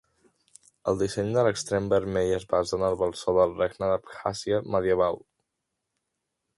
El disseny de l'extrem vermell es basa en el blasó del Regne d'Abkhàzia medieval.